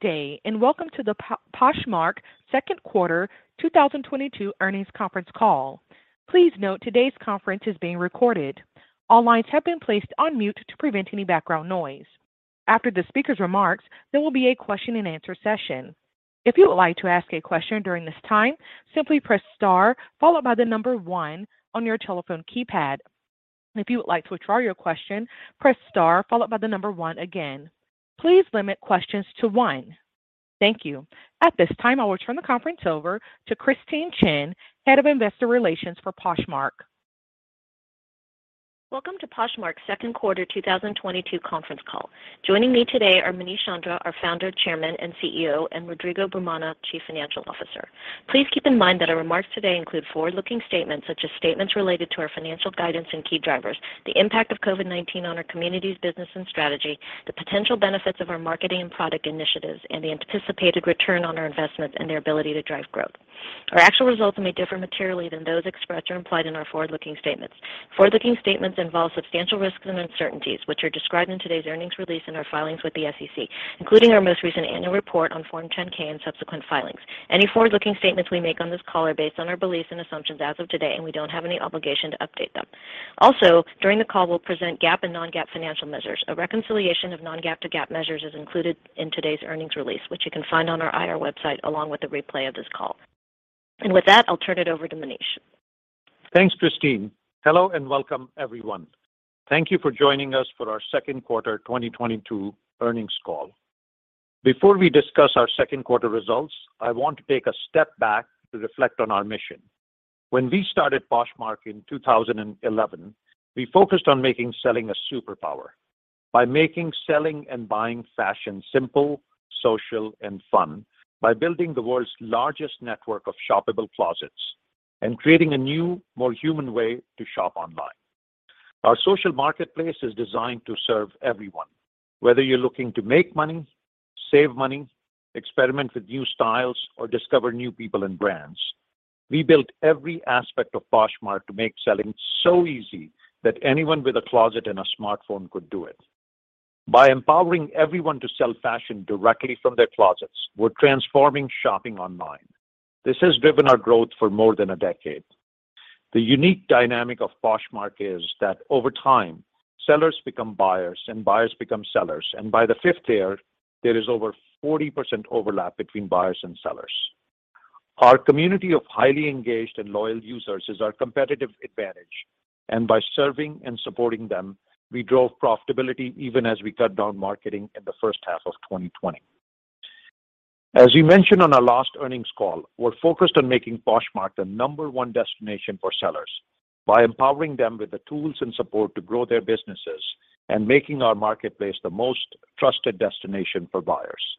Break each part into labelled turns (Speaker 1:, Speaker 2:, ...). Speaker 1: day, and welcome to the Poshmark second quarter 2022 earnings conference call. Please note today's conference is being recorded. All lines have been placed on mute to prevent any background noise. After the speaker's remarks, there will be a question-and-answer session. If you would like to ask a question during this time, simply press star followed by one on your telephone keypad. If you would like to withdraw your question, press star followed by one again. Please limit questions to one. Thank you. At this time, I will turn the conference over to Christine Chen, Head of Investor Relations for Poshmark.
Speaker 2: Welcome to Poshmark's second quarter 2022 conference call. Joining me today are Manish Chandra, our Founder, Chairman, and CEO, and Rodrigo Brumana, Chief Financial Officer. Please keep in mind that our remarks today include forward-looking statements, such as statements related to our financial guidance and key drivers, the impact of COVID-19 on our community's business and strategy, the potential benefits of our marketing and product initiatives, and the anticipated return on our investments and their ability to drive growth. Our actual results may differ materially than those expressed or implied in our forward-looking statements. Forward-looking statements involve substantial risks and uncertainties, which are described in today's earnings release in our filings with the SEC, including our most recent annual report on Form 10-K and subsequent filings. Any forward-looking statements we make on this call are based on our beliefs and assumptions as of today, and we don't have any obligation to update them. Also, during the call, we'll present GAAP and non-GAAP financial measures. A reconciliation of non-GAAP to GAAP measures is included in today's earnings release, which you can find on our IR website along with the replay of this call. With that, I'll turn it over to Manish.
Speaker 3: Thanks, Christine. Hello, and welcome, everyone. Thank you for joining us for our second quarter 2022 earnings call. Before we discuss our second quarter results, I want to take a step back to reflect on our mission. When we started Poshmark in 2011, we focused on making selling a superpower by making selling and buying fashion simple, social, and fun by building the world's largest network of shoppable closets and creating a new, more human way to shop online. Our social marketplace is designed to serve everyone, whether you're looking to make money, save money, experiment with new styles, or discover new people and brands. We built every aspect of Poshmark to make selling so easy that anyone with a closet and a smartphone could do it. By empowering everyone to sell fashion directly from their closets, we're transforming shopping online. This has driven our growth for more than a decade. The unique dynamic of Poshmark is that over time, sellers become buyers, and buyers become sellers. By the fifth year, there is over 40% overlap between buyers and sellers. Our community of highly engaged and loyal users is our competitive advantage, and by serving and supporting them, we drove profitability even as we cut down marketing in the first half of 2020. As we mentioned on our last earnings call, we're focused on making Poshmark the number one destination for sellers by empowering them with the tools and support to grow their businesses and making our marketplace the most trusted destination for buyers.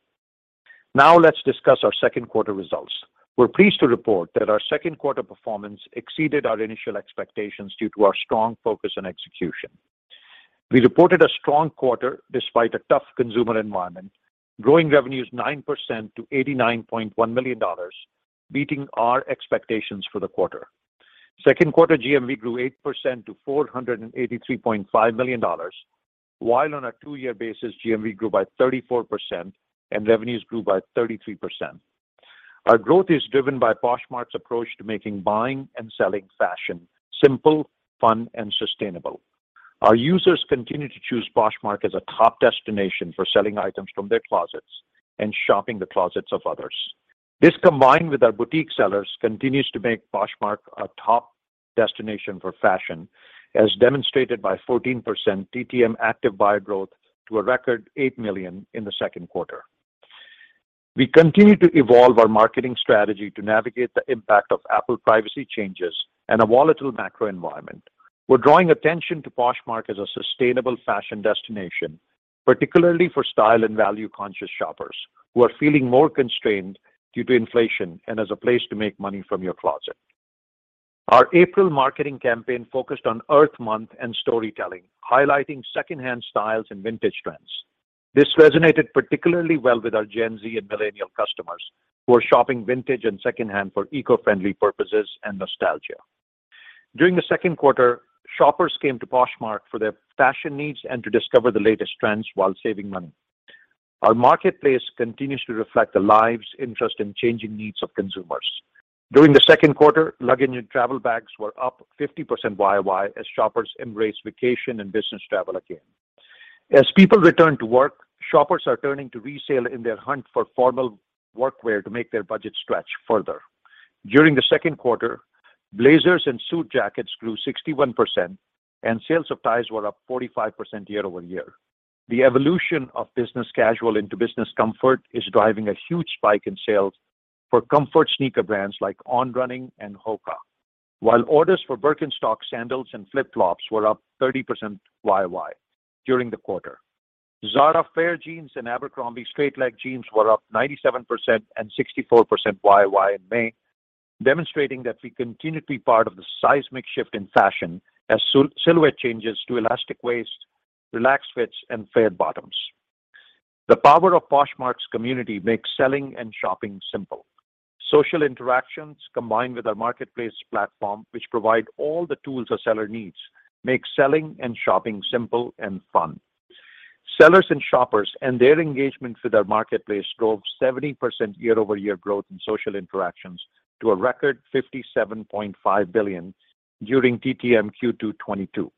Speaker 3: Now let's discuss our second quarter results. We're pleased to report that our second quarter performance exceeded our initial expectations due to our strong focus and execution. We reported a strong quarter despite a tough consumer environment, growing revenues 9% to $89.1 million, beating our expectations for the quarter. Second quarter GMV grew 8% to $483.5 million, while on a two-year basis, GMV grew by 34% and revenues grew by 33%. Our growth is driven by Poshmark's approach to making, buying, and selling fashion simple, fun, and sustainable. Our users continue to choose Poshmark as a top destination for selling items from their closets and shopping the closets of others. This, combined with our boutique sellers, continues to make Poshmark a top destination for fashion, as demonstrated by 14% TTM active buyer growth to a record 8 million in the second quarter. We continue to evolve our marketing strategy to navigate the impact of Apple privacy changes and a volatile macro environment. We're drawing attention to Poshmark as a sustainable fashion destination, particularly for style and value-conscious shoppers who are feeling more constrained due to inflation and as a place to make money from your closet. Our April marketing campaign focused on Earth Month and storytelling, highlighting secondhand styles and vintage trends. This resonated particularly well with our Gen Z and millennial customers who are shopping vintage and secondhand for eco-friendly purposes and nostalgia. During the second quarter, shoppers came to Poshmark for their fashion needs and to discover the latest trends while saving money. Our marketplace continues to reflect the lives, interest, and changing needs of consumers. During the second quarter, luggage and travel bags were up 50% YOY as shoppers embrace vacation and business travel again. As people return to work, shoppers are turning to resale in their hunt for formal workwear to make their budget stretch further. During the second quarter, blazers and suit jackets grew 61%, and sales of ties were up 45% year-over-year. The evolution of business casual into business comfort is driving a huge spike in sales for comfort sneaker brands like On Running and HOKA. While orders for Birkenstock sandals and flip-flops were up 30% YOY during the quarter. Zara flare jeans and Abercrombie straight leg jeans were up 97% and 64% YOY in May, demonstrating that we continue to be part of the seismic shift in fashion as silhouette changes to elastic waist, relaxed fits, and flared bottoms. The power of Poshmark's community makes selling and shopping simple. Social interactions combined with our marketplace platform, which provide all the tools a seller needs, make selling and shopping simple and fun. Sellers and shoppers and their engagement with our marketplace drove 70% year-over-year growth in social interactions to a record 57.5 billion during TTM Q2 2022.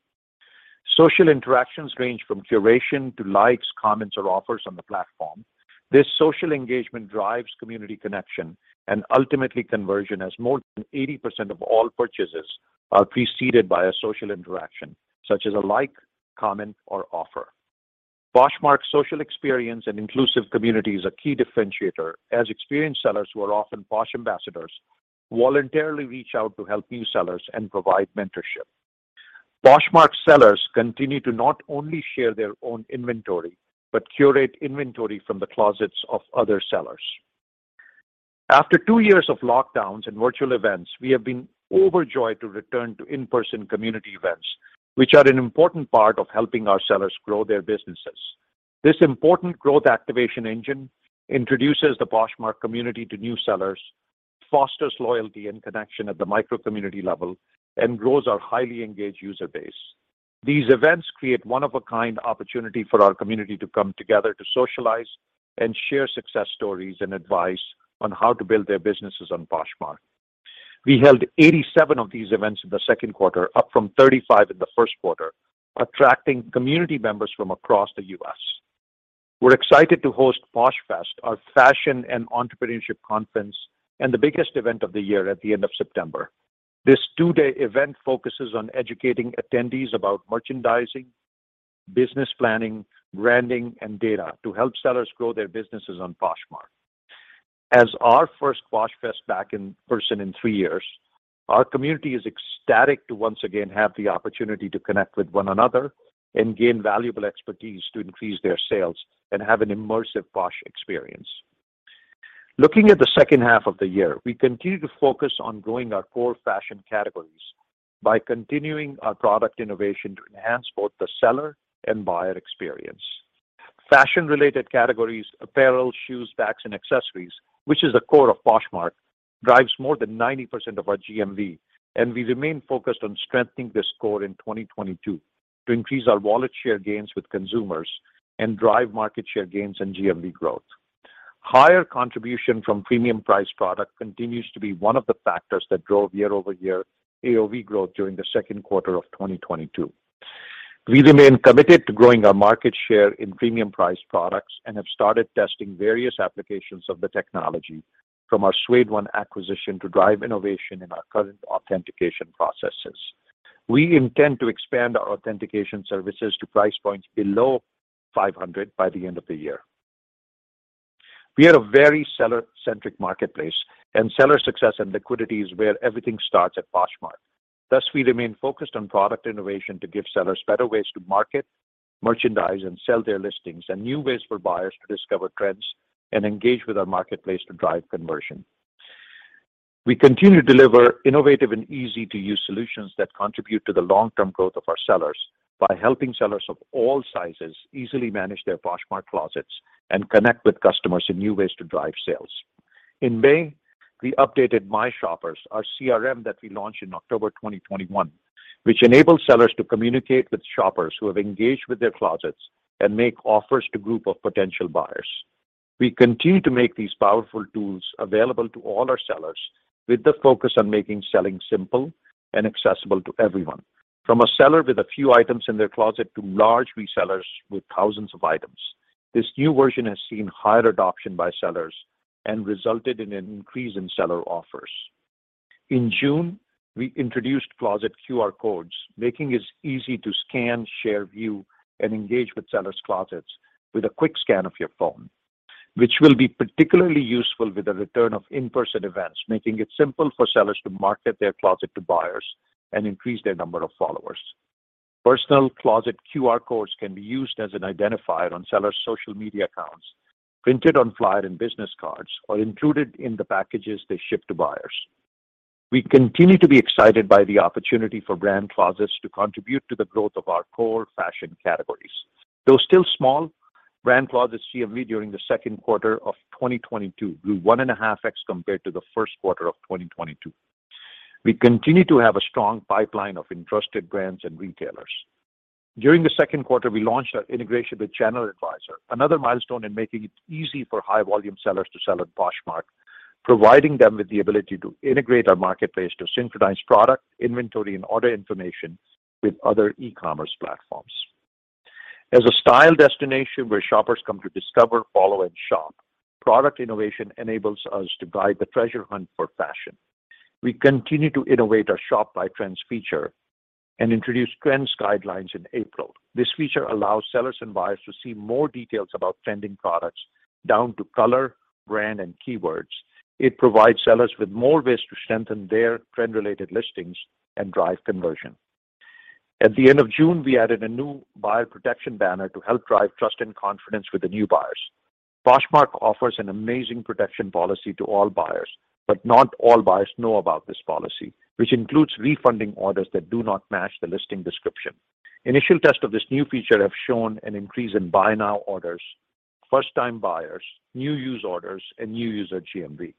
Speaker 3: Social interactions range from curation to likes, comments, or offers on the platform. This social engagement drives community connection and ultimately conversion, as more than 80% of all purchases are preceded by a social interaction, such as a like, comment, or offer. Poshmark's social experience and inclusive community is a key differentiator as experienced sellers, who are often Posh Ambassadors, voluntarily reach out to help new sellers and provide mentorship. Poshmark sellers continue to not only share their own inventory, but curate inventory from the closets of other sellers. After two years of lockdowns and virtual events, we have been overjoyed to return to in-person community events, which are an important part of helping our sellers grow their businesses. This important growth activation engine introduces the Poshmark community to new sellers, fosters loyalty and connection at the micro community level, and grows our highly engaged user base. These events create one of a kind opportunity for our community to come together to socialize and share success stories and advice on how to build their businesses on Poshmark. We held 87 of these events in the second quarter, up from 35 in the first quarter, attracting community members from across the U.S. We're excited to host Posh Fest, our fashion and entrepreneurship conference, and the biggest event of the year at the end of September. This two-day event focuses on educating attendees about merchandising, business planning, branding, and data to help sellers grow their businesses on Poshmark. As our first Posh Fest back in person in three years, our community is ecstatic to once again have the opportunity to connect with one another and gain valuable expertise to increase their sales and have an immersive Posh experience. Looking at the second half of the year, we continue to focus on growing our core fashion categories by continuing our product innovation to enhance both the seller and buyer experience. Fashion-related categories, apparel, shoes, bags, and accessories, which is the core of Poshmark, drives more than 90% of our GMV, and we remain focused on strengthening this core in 2022 to increase our wallet share gains with consumers and drive market share gains and GMV growth. Higher contribution from premium priced product continues to be one of the factors that drove year-over-year AOV growth during the second quarter of 2022. We remain committed to growing our market share in premium priced products and have started testing various applications of the technology from our Suede One acquisition to drive innovation in our current authentication processes. We intend to expand our authentication services to price points below $500 by the end of the year. We are a very seller-centric marketplace, and seller success and liquidity is where everything starts at Poshmark. Thus, we remain focused on product innovation to give sellers better ways to market, merchandise, and sell their listings, and new ways for buyers to discover trends and engage with our marketplace to drive conversion. We continue to deliver innovative and easy to use solutions that contribute to the long-term growth of our sellers by helping sellers of all sizes easily manage their Poshmark closets and connect with customers in new ways to drive sales. In May, we updated My Shoppers, our CRM that we launched in October 2021, which enables sellers to communicate with shoppers who have engaged with their closets and make offers to group of potential buyers. We continue to make these powerful tools available to all our sellers with the focus on making selling simple and accessible to everyone, from a seller with a few items in their closet to large resellers with thousands of items. This new version has seen higher adoption by sellers and resulted in an increase in seller offers. In June, we introduced Closet QR codes, making it easy to scan, share, view, and engage with sellers' closets with a quick scan of your phone, which will be particularly useful with the return of in-person events, making it simple for sellers to market their closet to buyers and increase their number of followers. Personal Closet QR codes can be used as an identifier on sellers' social media accounts, printed on flyer and business cards, or included in the packages they ship to buyers. We continue to be excited by the opportunity for brand closets to contribute to the growth of our core fashion categories. Though still small, brand closets GMV during the second quarter of 2022 grew 1.5x compared to the first quarter of 2022. We continue to have a strong pipeline of interested brands and retailers. During the second quarter, we launched our integration with ChannelAdvisor, another milestone in making it easy for high volume sellers to sell at Poshmark, providing them with the ability to integrate our marketplace to synchronize product, inventory, and order information with other e-commerce platforms. As a style destination where shoppers come to discover, follow, and shop, product innovation enables us to guide the treasure hunt for fashion. We continue to innovate our Shop by Trends feature and introduced Trend Guidelines in April. This feature allows sellers and buyers to see more details about trending products down to color, brand, and keywords. It provides sellers with more ways to strengthen their trend-related listings and drive conversion. At the end of June, we added a new buyer protection banner to help drive trust and confidence with the new buyers. Poshmark offers an amazing protection policy to all buyers, but not all buyers know about this policy, which includes refunding orders that do not match the listing description. Initial tests of this new feature have shown an increase in buy now orders, first time buyers, new user orders, and new user GMV.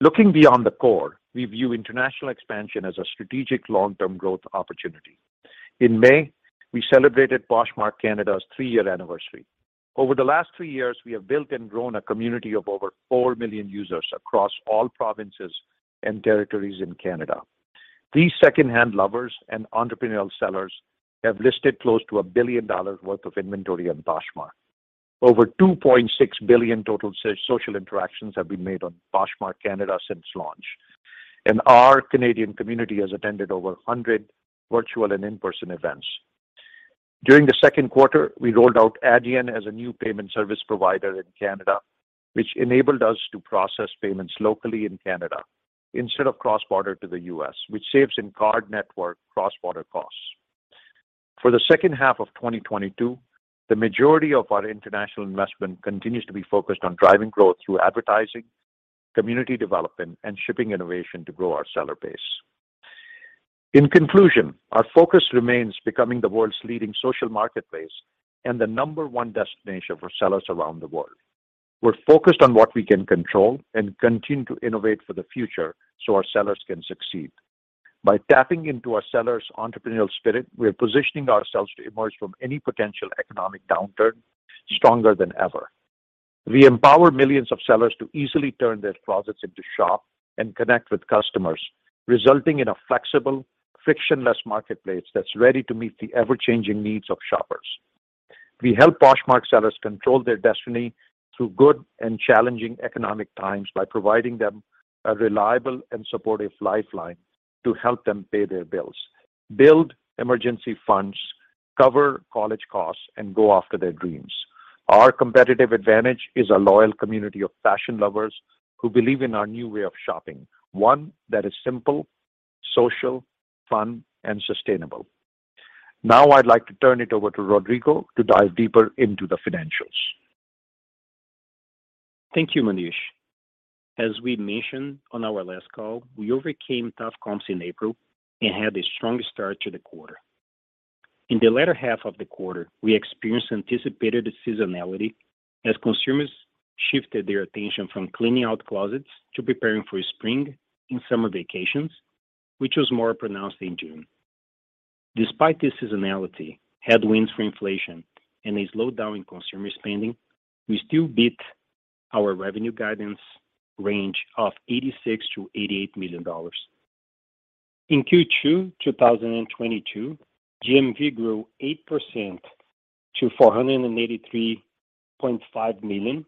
Speaker 3: Looking beyond the core, we view international expansion as a strategic long-term growth opportunity. In May, we celebrated Poshmark Canada's three-year anniversary. Over the last three years, we have built and grown a community of over 4 million users across all provinces and territories in Canada. These second-hand lovers and entrepreneurial sellers have listed close to $1 billion worth of inventory on Poshmark. Over 2.6 billion total social interactions have been made on Poshmark Canada since launch. Our Canadian community has attended over 100 virtual and in-person events. During the second quarter, we rolled out Adyen as a new payment service provider in Canada, which enabled us to process payments locally in Canada instead of cross-border to the U.S., which saves in card network cross-border costs. For the second half of 2022, the majority of our international investment continues to be focused on driving growth through advertising, community development, and shipping innovation to grow our seller base. In conclusion, our focus remains becoming the world's leading social marketplace and the number one destination for sellers around the world. We're focused on what we can control and continue to innovate for the future so our sellers can succeed. By tapping into our sellers' entrepreneurial spirit, we are positioning ourselves to emerge from any potential economic downturn stronger than ever. We empower millions of sellers to easily turn their closets into shop and connect with customers, resulting in a flexible, frictionless marketplace that's ready to meet the ever-changing needs of shoppers. We help Poshmark sellers control their destiny through good and challenging economic times by providing them a reliable and supportive lifeline to help them pay their bills, build emergency funds, cover college costs, and go after their dreams. Our competitive advantage is a loyal community of fashion lovers who believe in our new way of shopping. One that is simple, social, fun, and sustainable. Now, I'd like to turn it over to Rodrigo to dive deeper into the financials.
Speaker 4: Thank you, Manish. As we mentioned on our last call, we overcame tough comps in April and had a strong start to the quarter. In the latter half of the quarter, we experienced anticipated seasonality as consumers shifted their attention from cleaning out closets to preparing for spring and summer vacations, which was more pronounced in June. Despite the seasonality, headwinds from inflation, and a slowdown in consumer spending, we still beat our revenue guidance range of $86 million-$88 million. In Q2 2022, GMV grew 8% to $483.5 million,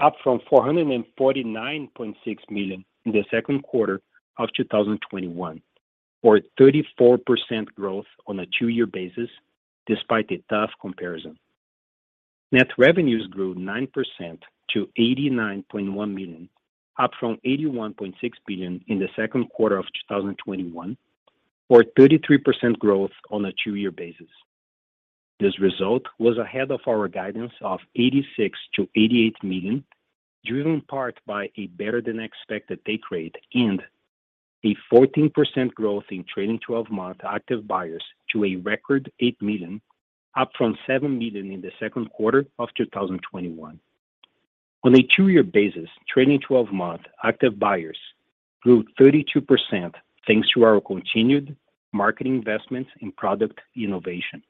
Speaker 4: up from $449.6 million in the second quarter of 2021, or 34% growth on a two-year basis despite a tough comparison. Net revenues grew 9% to $89.1 million, up from $81.6 million in the second quarter of 2021 for 33% growth on a two-year basis. This result was ahead of our guidance of $86 million-$88 million, driven in part by a better than expected take rate and a 14% growth in trailing 12-month active buyers to a record 8 million, up from 7 million in the second quarter of 2021. On a two-year basis, trailing 12-month active buyers grew 32%, thanks to our continued marketing investments in product innovation.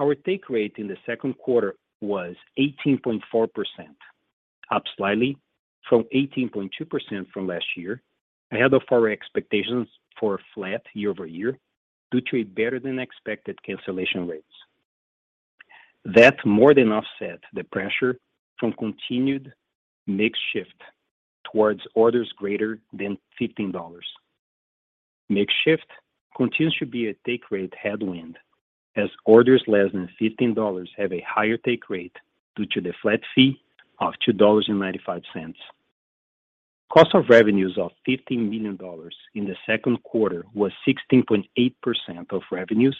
Speaker 4: Our take rate in the second quarter was 18.4%, up slightly from 18.2% from last year, ahead of our expectations for flat year-over-year due to a better than expected cancellation rates. That more than offset the pressure from continued mix shift towards orders greater than $15. Mix shift continues to be a take rate headwind as orders less than $15 have a higher take rate due to the flat fee of $2.95. Cost of revenues of $15 million in the second quarter was 16.8% of revenues,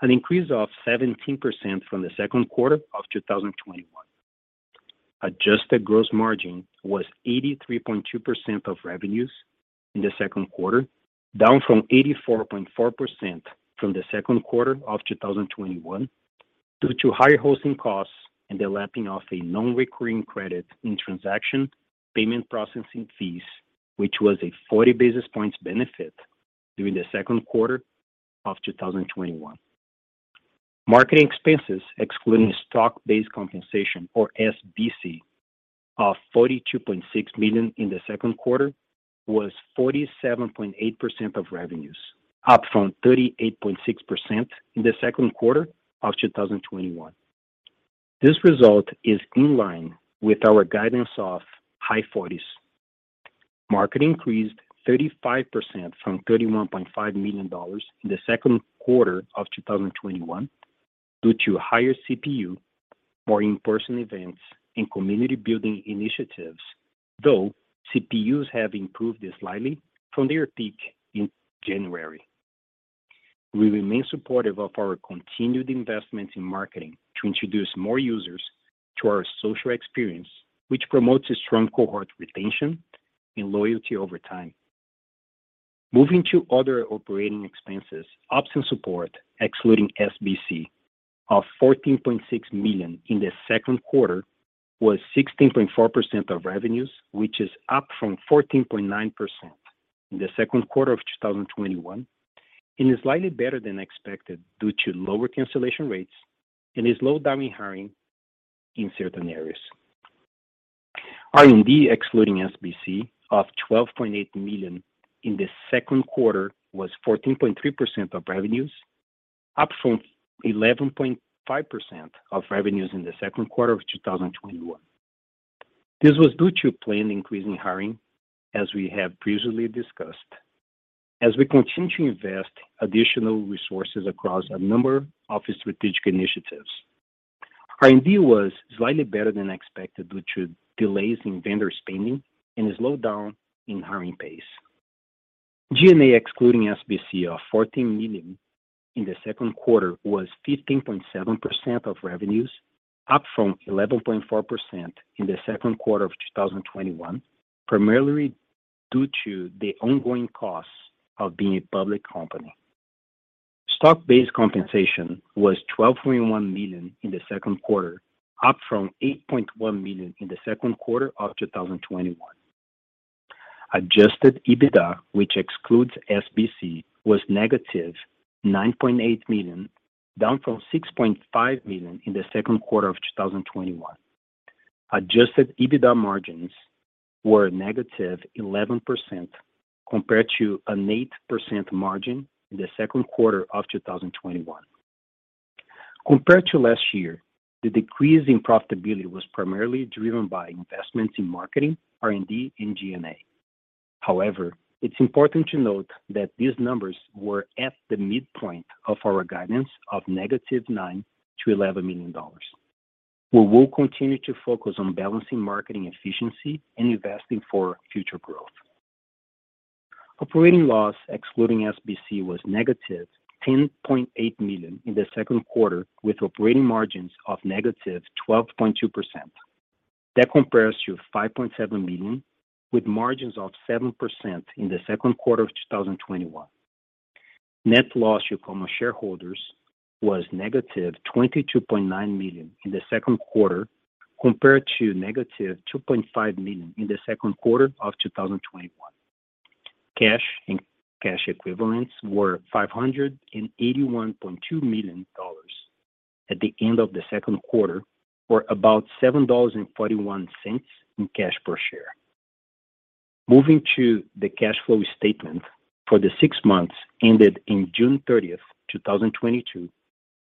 Speaker 4: an increase of 17% from the second quarter of 2021. Adjusted gross margin was 83.2% of revenues in the second quarter, down from 84.4% from the second quarter of 2021 due to higher hosting costs and the lapping of a non-recurring credit in transaction payment processing fees, which was a 40 basis points benefit during the second quarter of 2021. Marketing expenses, excluding stock-based compensation or SBC of $42.6 million in the second quarter, was 47.8% of revenues, up from 38.6% in the second quarter of 2021. This result is in line with our guidance of high 40s. Marketing increased 35% from $31.5 million in the second quarter of 2021 due to higher CPU, more in-person events, and community building initiatives. Though CPUs have improved slightly from their peak in January. We remain supportive of our continued investment in marketing to introduce more users to our social experience, which promotes a strong cohort retention in loyalty over time. Moving to other operating expenses, ops and support, excluding SBC, of $14.6 million in the second quarter was 16.4% of revenues, which is up from 14.9% in the second quarter of 2021, and is slightly better than expected due to lower cancellation rates and a slowdown in hiring in certain areas. R&D excluding SBC of $12.8 million in the second quarter was 14.3% of revenues, up from 11.5% of revenues in the second quarter of 2021. This was due to a planned increase in hiring, as we have previously discussed. As we continue to invest additional resources across a number of strategic initiatives, R&D was slightly better than expected due to delays in vendor spending and a slowdown in hiring pace. G&A excluding SBC of $14 million in the second quarter was 15.7% of revenues, up from 11.4% in the second quarter of 2021, primarily due to the ongoing costs of being a public company. Stock-based compensation was $12.1 million in the second quarter, up from $8.1 million in the second quarter of 2021. Adjusted EBITDA, which excludes SBC, was -$9.8 million, down from $6.5 million in the second quarter of 2021. Adjusted EBITDA margins were -11% compared to an 8% margin in the second quarter of 2021. Compared to last year, the decrease in profitability was primarily driven by investments in marketing, R&D and G&A. However, it's important to note that these numbers were at the midpoint of our guidance of -$9 million to -$11 million. We will continue to focus on balancing marketing efficiency and investing for future growth. Operating loss excluding SBC was -$10.8 million in the second quarter, with operating margins of -12.2%. That compares to $5.7 million, with margins of 7% in the second quarter of 2021. Net loss from common shareholders was -$22.9 million in the second quarter, compared to -$2.5 million in the second quarter of 2021. Cash and cash equivalents were $581.2 million at the end of the second quarter, or about $7.41 in cash per share. Moving to the cash flow statement. For the six months ended June 30, 2022,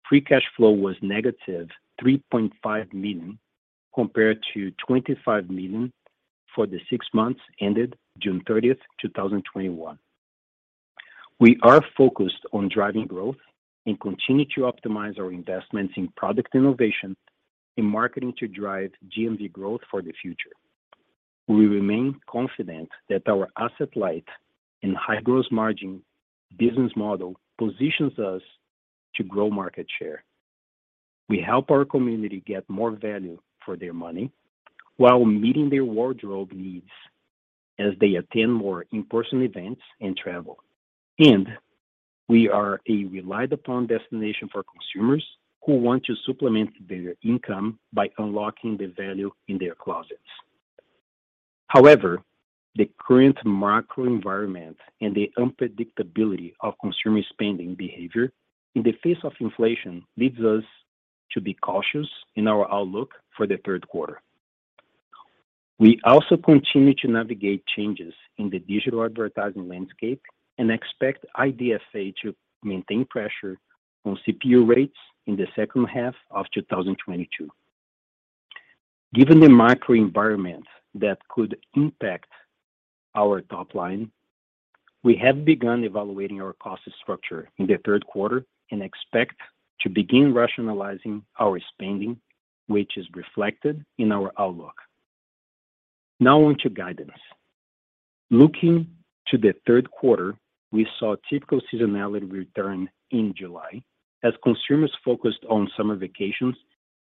Speaker 4: free cash flow was -$3.5 million, compared to $25 million for the six months ended June 30, 2021. We are focused on driving growth and continue to optimize our investments in product innovation and marketing to drive GMV growth for the future. We remain confident that our asset light and high gross margin business model positions us to grow market share. We help our community get more value for their money while meeting their wardrobe needs as they attend more in-person events and travel. We are a relied upon destination for consumers who want to supplement their income by unlocking the value in their closets. However, the current macro environment and the unpredictability of consumer spending behavior in the face of inflation leads us to be cautious in our outlook for the third quarter. We also continue to navigate changes in the digital advertising landscape and expect IDFA to maintain pressure on CPU rates in the second half of 2022. Given the macro environment that could impact our top line, we have begun evaluating our cost structure in the third quarter and expect to begin rationalizing our spending, which is reflected in our outlook. Now on to guidance. Looking to the third quarter, we saw typical seasonality return in July as consumers focused on summer vacations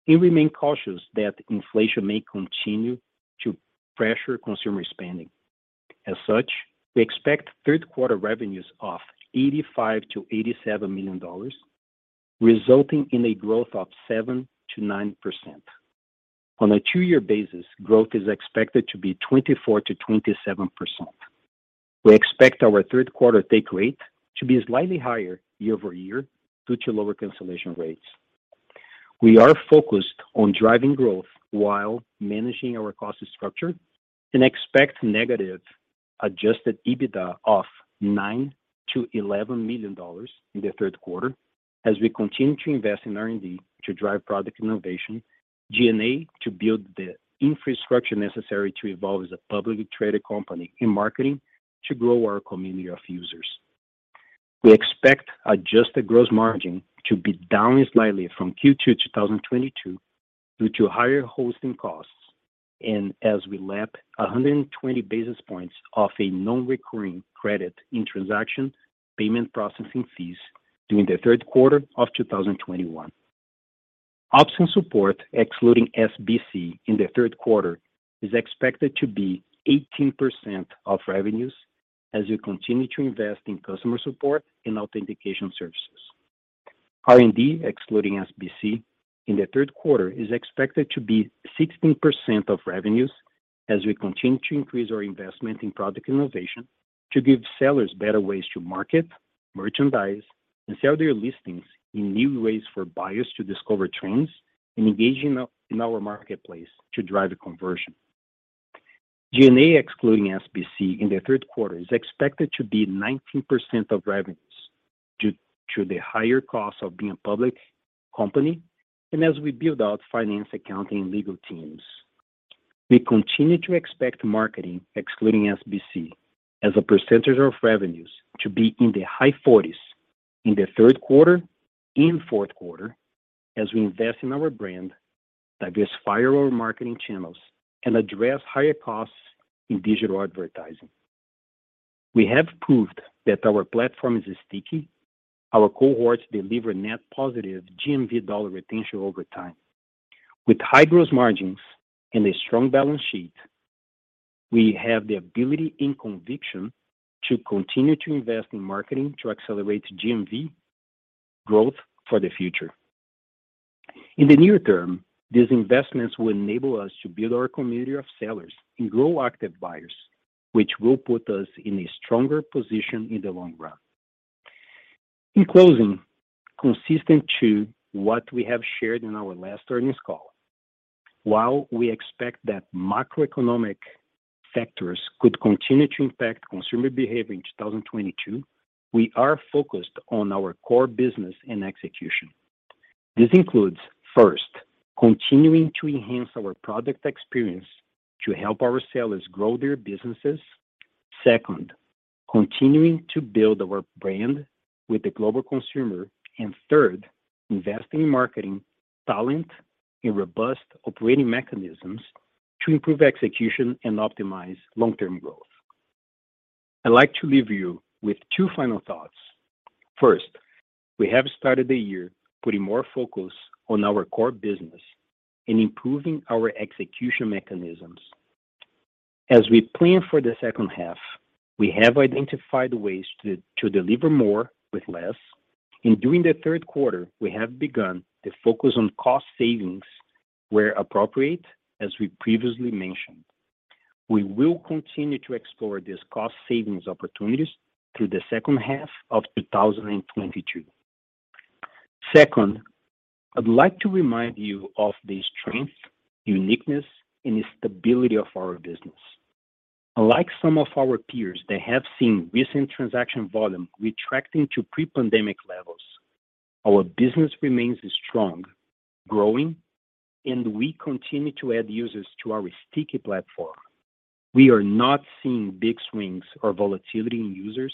Speaker 4: and remain cautious that inflation may continue to pressure consumer spending. As such, we expect third quarter revenues of $85 million-$87 million, resulting in a growth of 7%-9%. On a two-year basis, growth is expected to be 24%-27%. We expect our third quarter take rate to be slightly higher year-over-year due to lower cancellation rates. We are focused on driving growth while managing our cost structure and expect negative adjusted EBITDA of $9 million-$11 million in the third quarter as we continue to invest in R&D to drive product innovation, G&A to build the infrastructure necessary to evolve as a publicly traded company, and marketing to grow our community of users. We expect adjusted gross margin to be down slightly from Q2 2022 due to higher hosting costs and as we lap 120 basis points of a non-recurring credit in transaction payment processing fees during the third quarter of 2021. Ops and support, excluding SBC in the third quarter, is expected to be 18% of revenues as we continue to invest in customer support and authentication services. R&D, excluding SBC in the third quarter, is expected to be 16% of revenues as we continue to increase our investment in product innovation to give sellers better ways to market, merchandise, and sell their listings, and new ways for buyers to discover trends and engage in our marketplace to drive the conversion. G&A, excluding SBC in the third quarter, is expected to be 19% of revenues due to the higher cost of being a public company, and as we build out finance, accounting, legal teams. We continue to expect marketing, excluding SBC as a percentage of revenues to be in the high 40s in the third quarter and fourth quarter as we invest in our brand, diversify our marketing channels, and address higher costs in digital advertising. We have proved that our platform is sticky. Our cohorts deliver net positive GMV dollar retention over time. With high gross margins and a strong balance sheet, we have the ability and conviction to continue to invest in marketing to accelerate GMV growth for the future. In the near term, these investments will enable us to build our community of sellers and grow active buyers, which will put us in a stronger position in the long run. In closing, consistent to what we have shared in our last earnings call, while we expect that macroeconomic factors could continue to impact consumer behavior in 2022, we are focused on our core business and execution. This includes, first, continuing to enhance our product experience to help our sellers grow their businesses. Second, continuing to build our brand with the global consumer. And third, investing in marketing talent and robust operating mechanisms to improve execution and optimize long-term growth. I'd like to leave you with two final thoughts. First, we have started the year putting more focus on our core business and improving our execution mechanisms. As we plan for the second half, we have identified ways to deliver more with less, and during the third quarter we have begun to focus on cost savings where appropriate, as we previously mentioned. We will continue to explore these cost savings opportunities through the second half of 2022. Second, I'd like to remind you of the strength, uniqueness, and stability of our business. Unlike some of our peers that have seen recent transaction volume retracting to pre-pandemic levels, our business remains strong, growing, and we continue to add users to our sticky platform. We are not seeing big swings or volatility in users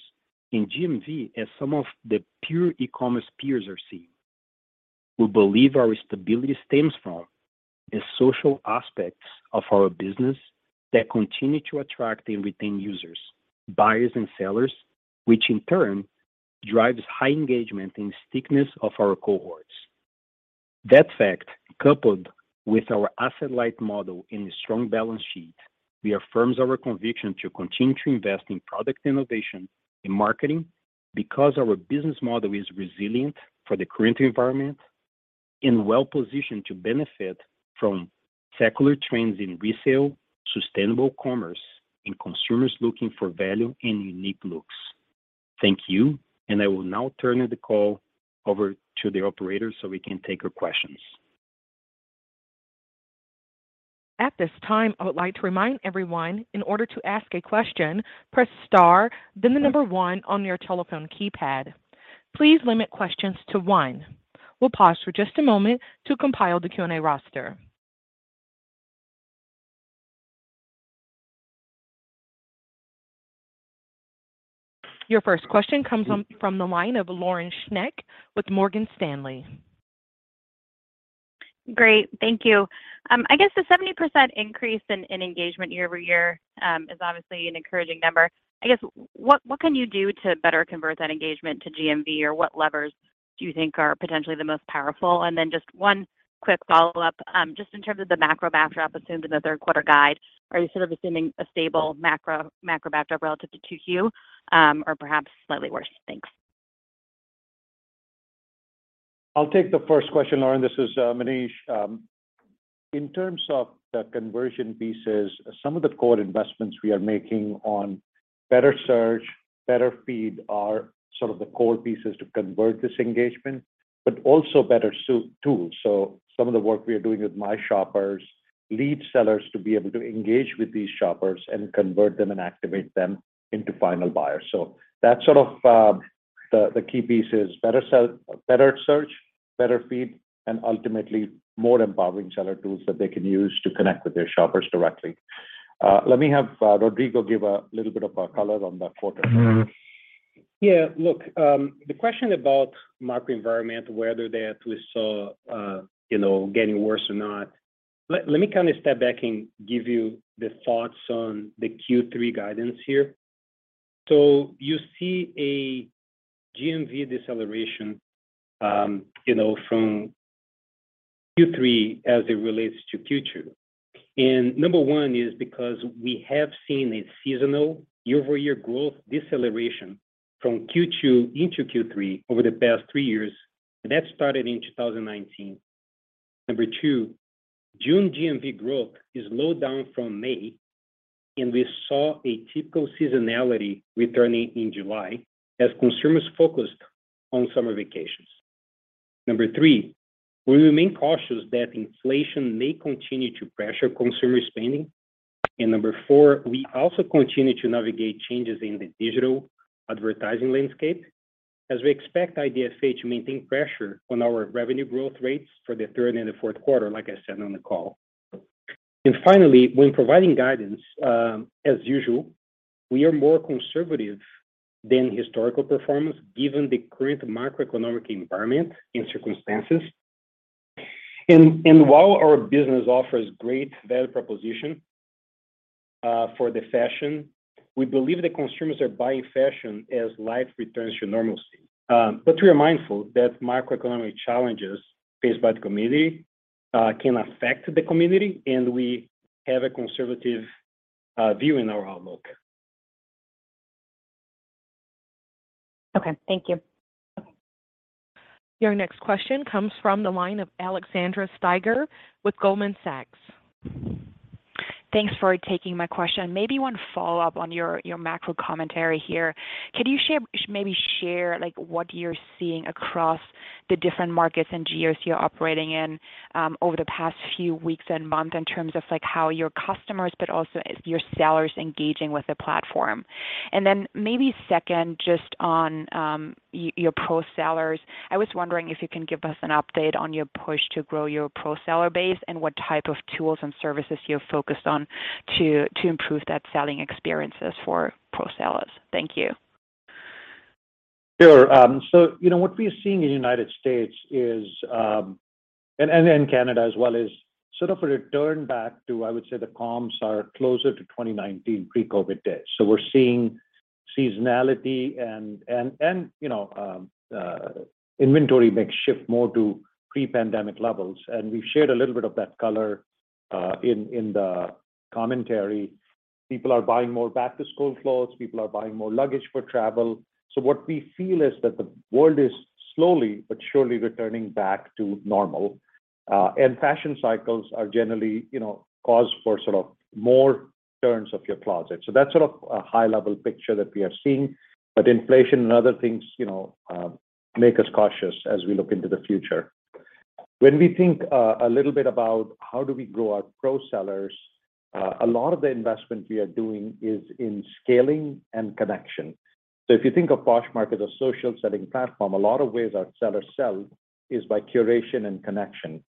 Speaker 4: in GMV as some of the pure e-commerce peers are seeing. We believe our stability stems from the social aspects of our business that continue to attract and retain users, buyers and sellers, which in turn drives high engagement and stickiness of our cohorts. That fact, coupled with our asset-light model and a strong balance sheet, reaffirms our conviction to continue to invest in product innovation and marketing because our business model is resilient for the current environment and well-positioned to benefit from secular trends in resale, sustainable commerce, and consumers looking for value and unique looks. Thank you. I will now turn the call over to the operator so we can take your questions.
Speaker 1: At this time, I would like to remind everyone in order to ask a question, press star, then the number one on your telephone keypad. Please limit questions to one. We'll pause for just a moment to compile the Q&A roster. Your first question comes from the line of Lauren Schenk with Morgan Stanley.
Speaker 5: Great. Thank you. I guess the 70% increase in engagement year-over-year is obviously an encouraging number. I guess what can you do to better convert that engagement to GMV? Or what levers do you think are potentially the most powerful? Just one quick follow-up, just in terms of the macro backdrop assumed in the third quarter guide. Are you sort of assuming a stable macro backdrop relative to 2Q, or perhaps slightly worse? Thanks.
Speaker 3: I'll take the first question, Lauren. This is Manish. In terms of the conversion pieces, some of the core investments we are making on better search, better feed are sort of the core pieces to convert this engagement, but also better tools. Some of the work we are doing with My Shoppers lead sellers to be able to engage with these shoppers and convert them and activate them into final buyers. That's sort of the key pieces. Better search, better feed, and ultimately more empowering seller tools that they can use to connect with their shoppers directly. Let me have Rodrigo give a little bit of color on the quarter.
Speaker 4: Yeah. Look, the question about macro environment, whether that we saw, you know, getting worse or not, let me kind of step back and give you the thoughts on the Q3 guidance here. You see a GMV deceleration, you know, from Q3 as it relates to Q2. Number one is because we have seen a seasonal year-over-year growth deceleration from Q2 into Q3 over the past three years. That started in 2019. Number two, June GMV growth is a slowdown from May, and we saw a typical seasonality returning in July as consumers focused on summer vacations. Number three, we remain cautious that inflation may continue to pressure consumer spending. Number four, we also continue to navigate changes in the digital advertising landscape as we expect IDFA to maintain pressure on our revenue growth rates for the third and the fourth quarter, like I said on the call. Finally, when providing guidance, as usual, we are more conservative than historical performance given the current macroeconomic environment and circumstances. While our business offers great value proposition for the fashion, we believe that consumers are buying fashion as life returns to normalcy. We are mindful that macroeconomic challenges faced by the community can affect the community, and we have a conservative view in our outlook.
Speaker 5: Okay. Thank you.
Speaker 1: Your next question comes from the line of Alexandra Steiger with Goldman Sachs.
Speaker 6: Thanks for taking my question. Maybe one follow-up on your macro commentary here. Could you maybe share, like, what you're seeing across the different markets and geos you're operating in over the past few weeks and months in terms of, like, how your customers, but also your sellers engaging with the platform? Maybe second, just on your pro sellers. I was wondering if you can give us an update on your push to grow your pro seller base and what type of tools and services you're focused on to improve that selling experiences for pro sellers. Thank you.
Speaker 3: Sure. You know, what we are seeing in United States is and in Canada as well, is sort of a return back to, I would say, the comps are closer to 2019 pre-COVID days. We're seeing seasonality and, you know, inventory mix shift more to pre-pandemic levels. We've shared a little bit of that color in the commentary. People are buying more back-to-school clothes. People are buying more luggage for travel. What we feel is that the world is slowly but surely returning back to normal. Fashion cycles are generally, you know, cause for sort of more turns of your closet. That's sort of a high-level picture that we are seeing. Inflation and other things, you know, make us cautious as we look into the future. When we think a little bit about how do we grow our pro sellers, a lot of the investment we are doing is in scaling and connection. If you think of Poshmark as a social selling platform, a lot of ways our sellers sell is by curation and connection.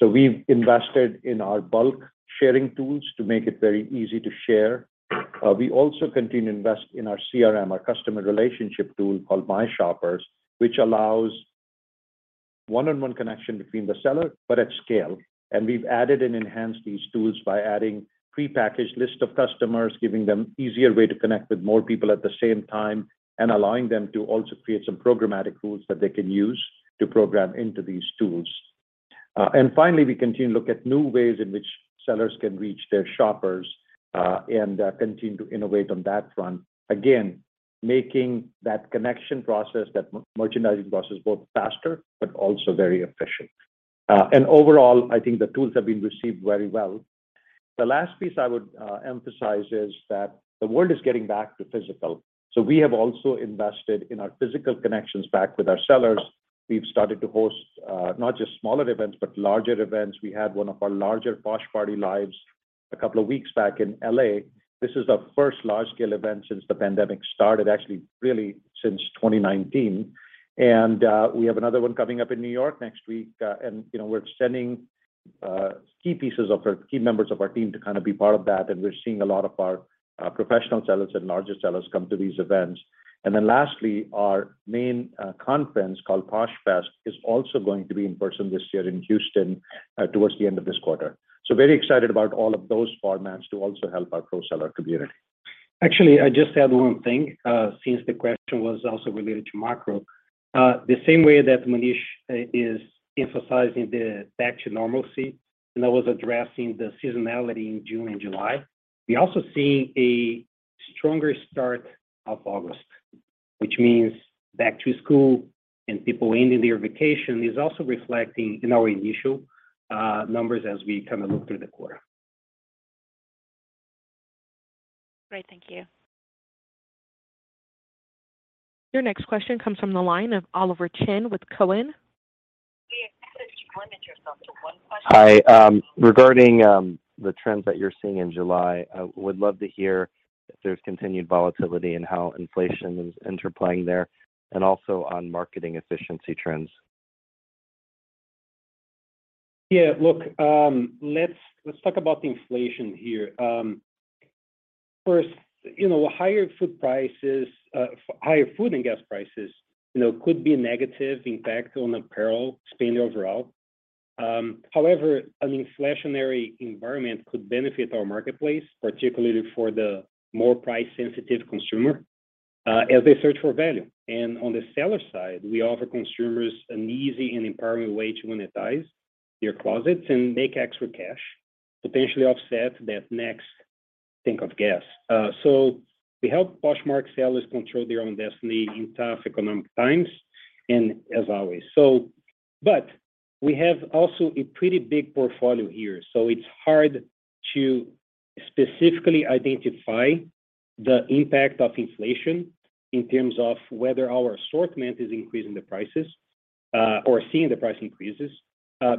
Speaker 3: We've invested in our bulk sharing tools to make it very easy to share. We also continue to invest in our CRM, our customer relationship tool called My Shoppers, which allows one-on-one connection between the seller but at scale. We've added and enhanced these tools by adding prepackaged list of customers, giving them easier way to connect with more people at the same time, and allowing them to also create some programmatic tools that they can use to program into these tools. Finally, we continue to look at new ways in which sellers can reach their shoppers, and continue to innovate on that front. Again, making that connection process, that merchandising process both faster but also very efficient. Overall, I think the tools have been received very well. The last piece I would emphasize is that the world is getting back to physical, so we have also invested in our physical connections back with our sellers. We've started to host, not just smaller events, but larger events. We had one of our larger Posh Party LIVE a couple of weeks back in L.A. This is our first large-scale event since the pandemic started, actually really since 2019. We have another one coming up in New York next week. You know, we're sending key members of our team to kind of be part of that, and we're seeing a lot of our professional sellers and larger sellers come to these events. Lastly, our main conference called Posh Fest is also going to be in person this year in Houston towards the end of this quarter. Very excited about all of those formats to also help our pro seller community.
Speaker 4: Actually, I'd just add one thing, since the question was also related to macro. The same way that Manish is emphasizing the back to normalcy, and I was addressing the seasonality in June and July, we also see a stronger start of August, which means back to school and people ending their vacation is also reflecting in our initial numbers as we kind of look through the quarter.
Speaker 6: Great. Thank you.
Speaker 1: Your next question comes from the line of Oliver Chen with Cowen. We ask that you limit yourself to one question.
Speaker 7: Hi. Regarding the trends that you're seeing in July, I would love to hear if there's continued volatility in how inflation is interplaying there and also on marketing efficiency trends.
Speaker 4: Yeah. Look, let's talk about the inflation here. First, you know, higher food and gas prices, you know, could be a negative impact on apparel spend overall. However, an inflationary environment could benefit our marketplace, particularly for the more price sensitive consumer, as they search for value. On the seller side, we offer consumers an easy and empowering way to monetize their closets and make extra cash, potentially offset that next tank of gas. We help Poshmark sellers control their own destiny in tough economic times and as always. We have also a pretty big portfolio here, so it's hard to specifically identify the impact of inflation in terms of whether our assortment is increasing the prices, or seeing the price increases,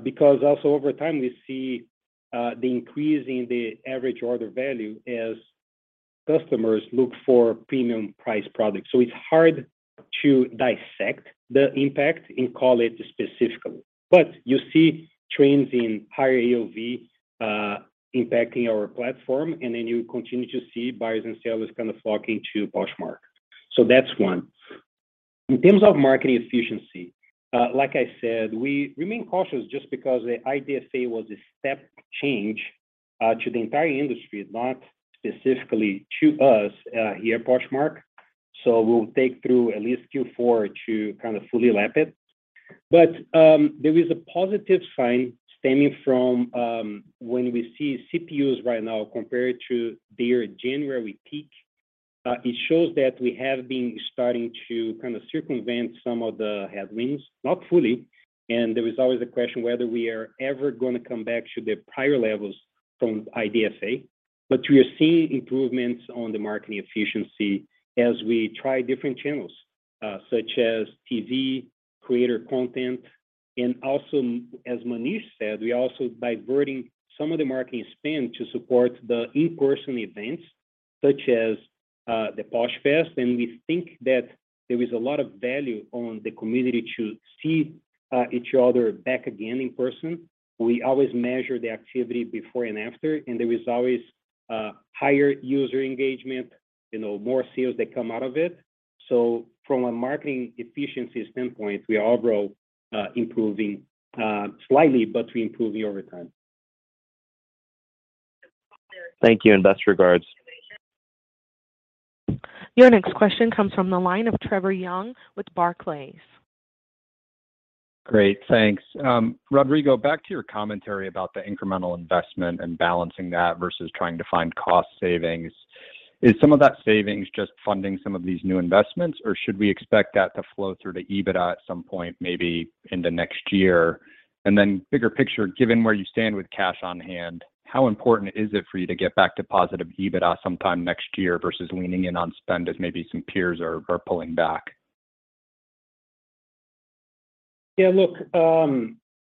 Speaker 4: because also over time, we see the increase in the average order value as customers look for premium price products. It's hard to dissect the impact and call it specifically. You see trends in higher AOV impacting our platform, and then you continue to see buyers and sellers kind of flocking to Poshmark. That's one. In terms of marketing efficiency, like I said, we remain cautious just because the IDFA was a step change to the entire industry, not specifically to us here at Poshmark. We'll take through at least Q4 to kind of fully lap it. There is a positive sign stemming from when we see CPUs right now compared to their January peak. It shows that we have been starting to kind of circumvent some of the headwinds, not fully. There is always a question whether we are ever gonna come back to the prior levels from IDFA. We are seeing improvements on the marketing efficiency as we try different channels, such as TV, creator content, and also as Manish said, we're also diverting some of the marketing spend to support the in-person events such as the Posh Fest. We think that there is a lot of value on the community to see each other back again in person. We always measure the activity before and after, and there is always higher user engagement, you know, more sales that come out of it. From a marketing efficiency standpoint, we are overall improving slightly, but we're improving over time.
Speaker 7: Thank you, and best regards.
Speaker 1: Your next question comes from the line of Trevor Young with Barclays.
Speaker 8: Great. Thanks. Rodrigo, back to your commentary about the incremental investment and balancing that versus trying to find cost savings. Is some of that savings just funding some of these new investments, or should we expect that to flow through to EBITDA at some point, maybe into next year? And then bigger picture, given where you stand with cash on hand, how important is it for you to get back to positive EBITDA sometime next year versus leaning in on spend as maybe some peers are pulling back?
Speaker 4: Yeah, look,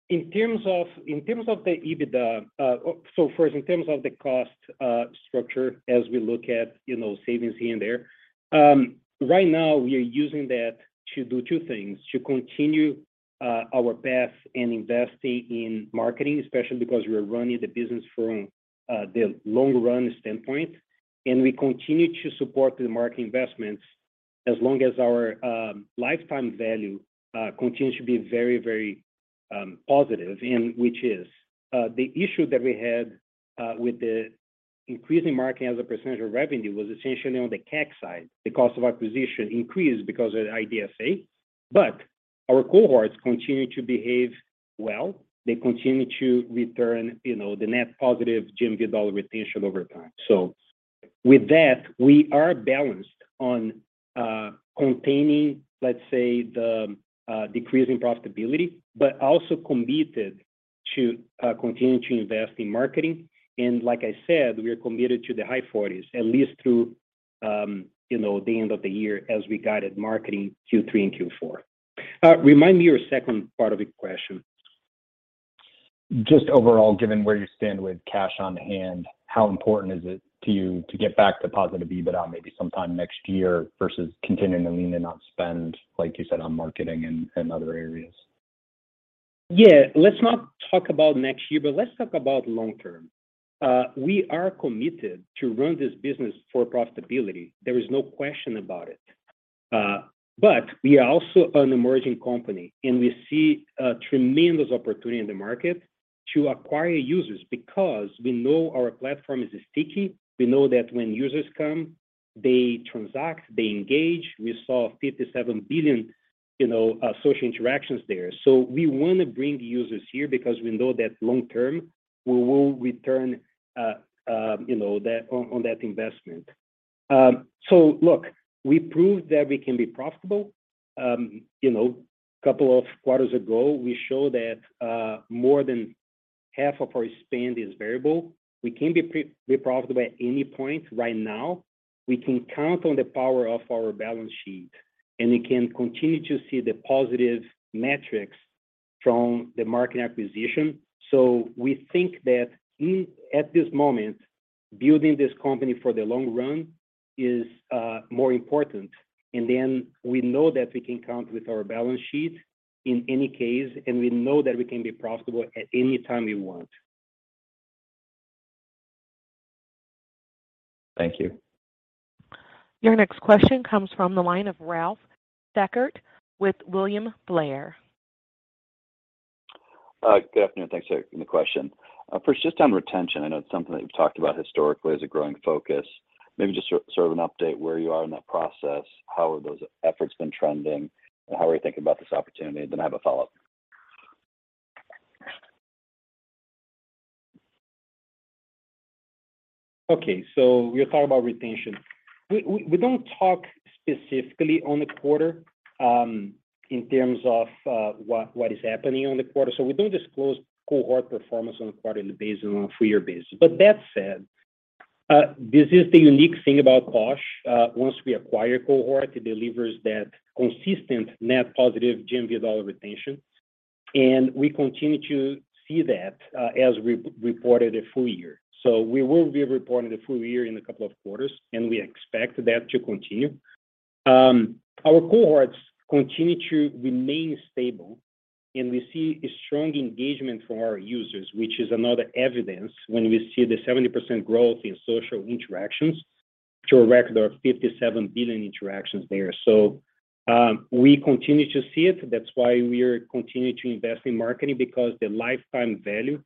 Speaker 4: in terms of the EBITDA. First, in terms of the cost structure as we look at, you know, savings here and there, right now we are using that to do two things, to continue our path in investing in marketing, especially because we're running the business from the long run standpoint, and we continue to support the marketing investments as long as our lifetime value continues to be very positive. The issue that we had with the increasing marketing as a percentage of revenue was essentially on the CAC side. The cost of acquisition increased because of IDFA, but our cohorts continue to behave well. They continue to return, you know, the net positive GMV dollar retention over time. With that, we are balanced on containing, let's say, the decreasing profitability, but also committed to continuing to invest in marketing. Like I said, we are committed to the high 40s at least through the end of the year as we guided marketing Q3 and Q4. Remind me your second part of the question.
Speaker 8: Just overall, given where you stand with cash on hand, how important is it to you to get back to positive EBITDA maybe sometime next year versus continuing to lean in on spend, like you said, on marketing and other areas?
Speaker 4: Yeah. Let's talk about long term. We are committed to run this business for profitability. There is no question about it. We are also an emerging company, and we see a tremendous opportunity in the market to acquire users because we know our platform is sticky. We know that when users come, they transact, they engage. We saw 57 billion, you know, social interactions there. We wanna bring users here because we know that long term we will return on that investment. So look, we proved that we can be profitable. You know, couple of quarters ago, we showed that more than half of our spend is variable. We can be profitable at any point right now. We can count on the power of our balance sheet, and we can continue to see the positive metrics from the market acquisition. We think that at this moment, building this company for the long run is more important. We know that we can count with our balance sheet in any case, and we know that we can be profitable at any time we want.
Speaker 8: Thank you.
Speaker 1: Your next question comes from the line of Ralph Schackart with William Blair.
Speaker 9: Good afternoon. Thanks for taking the question. First, just on retention, I know it's something that you've talked about historically as a growing focus. Maybe just sort of an update where you are in that process. How are those efforts been trending, and how are you thinking about this opportunity? Then I have a follow-up.
Speaker 4: We'll talk about retention. We don't talk specifically on the quarter, in terms of, what is happening on the quarter, so we don't disclose cohort performance on a quarterly basis and on a full year basis. That said, this is the unique thing about Posh. Once we acquire cohort, it delivers that consistent net positive GMV dollar retention, and we continue to see that, as we reported a full year. We will be reporting a full year in a couple of quarters, and we expect that to continue. Our cohorts continue to remain stable, and we see a strong engagement from our users, which is another evidence when we see the 70% growth in social interactions to a record of 57 billion interactions there. We continue to see it. That's why we are continuing to invest in marketing because the lifetime value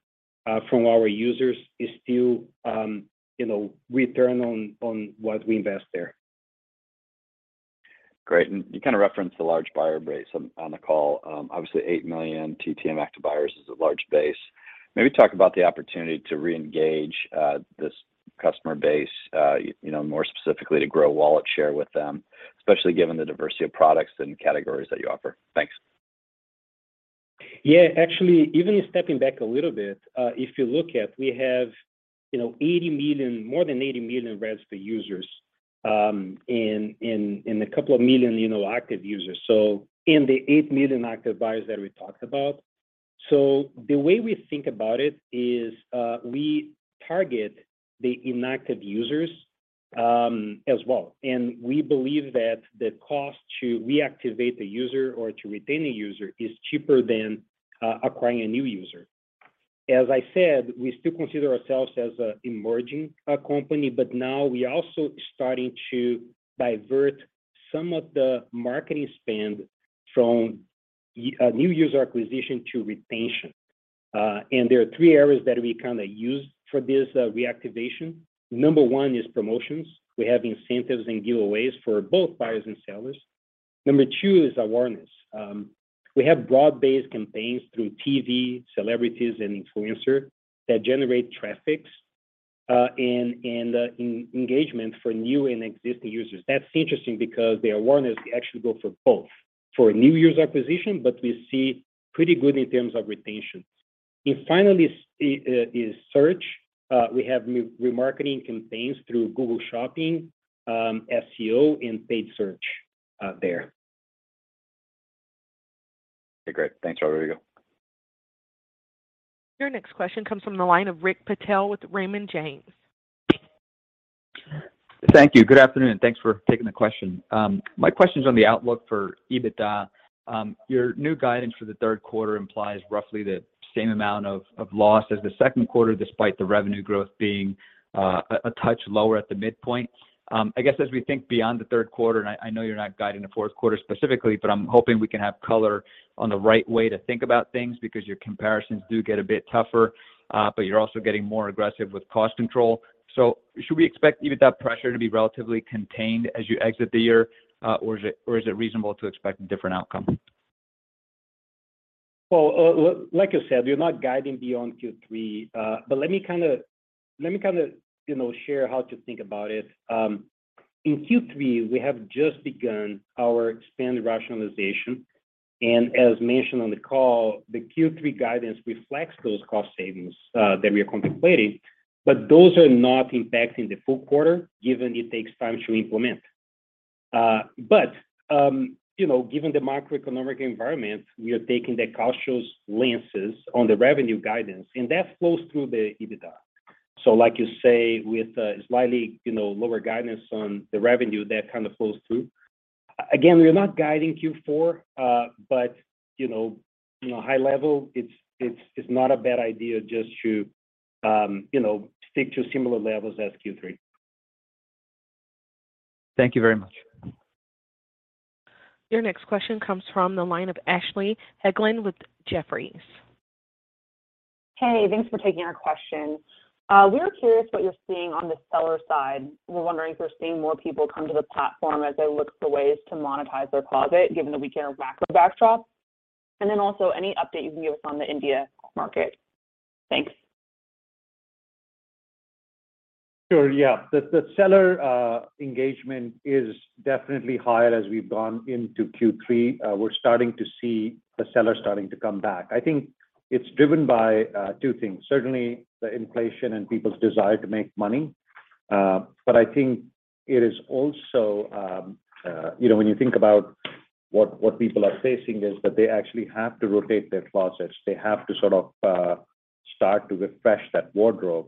Speaker 4: from our users is still, you know, return on what we invest there.
Speaker 9: Great. You kind of referenced the large buyer base on the call. Obviously 8 million TTM active buyers is a large base. Maybe talk about the opportunity to reengage this customer base, you know, more specifically to grow wallet share with them, especially given the diversity of products and categories that you offer. Thanks.
Speaker 4: Yeah, actually, even stepping back a little bit, if you look at we have, you know, more than 80 million registered users, and a couple of million, you know, active users, so in the 8 million active buyers that we talked about. The way we think about it is, we target the inactive users, as well. We believe that the cost to reactivate the user or to retain a user is cheaper than acquiring a new user. As I said, we still consider ourselves as an emerging company, but now we also starting to divert some of the marketing spend from new user acquisition to retention. There are three areas that we kind of use for this reactivation. Number one is promotions. We have incentives and giveaways for both buyers and sellers. Number two is awareness. We have broad-based campaigns through TV, celebrities, and influencers that generate traffic and engagement for new and existing users. That's interesting because the awareness actually go for both, for new user acquisition, but we see pretty good in terms of retention. Finally, is search. We have remarketing campaigns through Google Shopping, SEO, and paid search there.
Speaker 9: Okay. Great. Thanks, Rodrigo.
Speaker 1: Your next question comes from the line of Rick Patel with Raymond James.
Speaker 10: Thank you. Good afternoon, and thanks for taking the question. My question's on the outlook for EBITDA. Your new guidance for the third quarter implies roughly the same amount of loss as the second quarter, despite the revenue growth being a touch lower at the midpoint. I guess as we think beyond the third quarter, and I know you're not guiding the fourth quarter specifically, but I'm hoping we can have color on the right way to think about things because your comparisons do get a bit tougher, but you're also getting more aggressive with cost control. Should we expect EBITDA pressure to be relatively contained as you exit the year, or is it reasonable to expect a different outcome?
Speaker 4: Well, like I said, we're not guiding beyond Q3. Let me kinda you know share how to think about it. In Q3, we have just begun our spend rationalization. As mentioned on the call, the Q3 guidance reflects those cost savings that we are contemplating. Those are not impacting the full quarter, given it takes time to implement. You know, given the macroeconomic environment, we are taking the cautious lens on the revenue guidance, and that flows through the EBITDA. As you say, with a slightly you know lower guidance on the revenue, that kind of flows through. Again, we are not guiding Q4, but you know high level, it's not a bad idea just to you know stick to similar levels as Q3.
Speaker 10: Thank you very much.
Speaker 1: Your next question comes from the line of Ashley Helgans with Jefferies.
Speaker 11: Hey, thanks for taking our question. We're curious what you're seeing on the seller side. We're wondering if we're seeing more people come to the platform as they look for ways to monetize their closet, given the weaker macro backdrop. Also, any update you can give us on the India market. Thanks.
Speaker 3: Sure, yeah. The seller engagement is definitely higher as we've gone into Q3. We're starting to see the sellers starting to come back. I think it's driven by two things. Certainly, the inflation and people's desire to make money. I think it is also you know when you think about what people are facing is that they actually have to rotate their closets. They have to sort of start to refresh that wardrobe.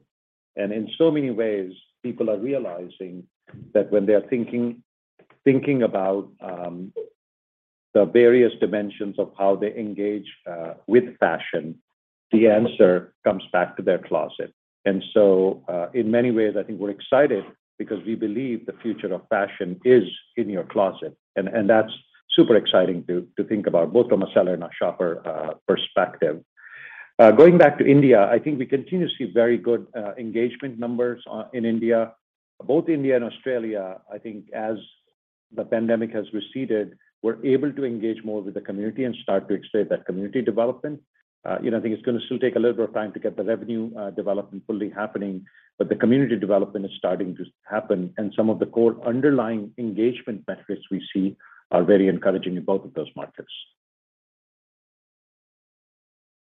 Speaker 3: In so many ways, people are realizing that when they are thinking about. The various dimensions of how they engage with fashion, the answer comes back to their closet. In many ways, I think we're excited because we believe the future of fashion is in your closet and that's super exciting to think about both from a seller and a shopper perspective. Going back to India, I think we continue to see very good engagement numbers in India. Both India and Australia, I think as the pandemic has receded, we're able to engage more with the community and start to expand that community development. You know, I think it's gonna still take a little bit of time to get the revenue development fully happening, but the community development is starting to happen, and some of the core underlying engagement metrics we see are very encouraging in both of those markets.